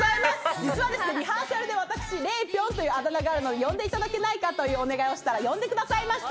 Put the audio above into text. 実はリハーサルで私、礼ぴょんというあだ名があるので呼んでいただけないかというお願いをしたら呼んでくださいました。